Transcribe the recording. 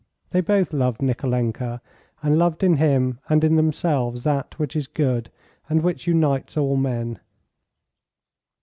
They both loved Nikolenka, and loved in him and in themselves that which is good, and which unites all men.